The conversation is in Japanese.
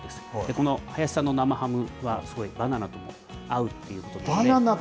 この林さんの生ハムはすごいバナナと合うっていうことで。